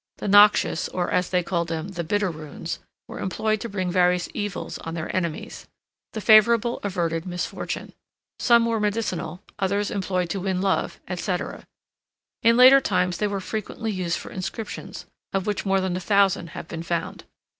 The noxious, or, as they called them, the BITTER runes, were employed to bring various evils on their enemies; the favorable averted misfortune. Some were medicinal, others employed to win love, etc. In later times they were frequently used for inscriptions, of which more than a thousand have been found.